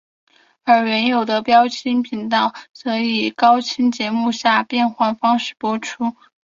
而原有的标清频道则以高清节目下变换方式播出。